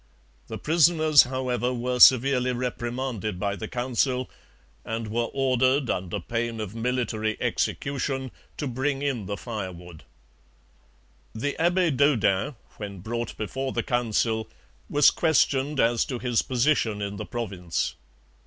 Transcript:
The prisoners, however, were severely reprimanded by the Council, and were ordered under pain of military execution to bring in the firewood. The Abbe Daudin, when brought before the Council, was questioned as to his position in the province.